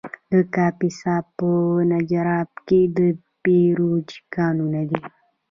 د کاپیسا په نجراب کې د بیروج کانونه دي.